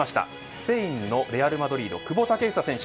スペインのレアルマドリード久保建英選手